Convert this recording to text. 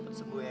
cepet sembuh em